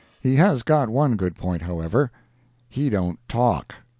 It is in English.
He has got one good point, however—he don't talk.